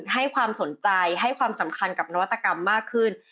ให้ความสนใจให้ความสำคัญกับนวัตกรรมมากขึ้น